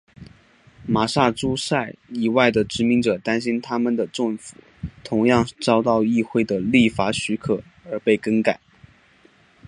马萨诸塞之外的殖民者担心他们的政府同样遭到议会的立法许可而被更改。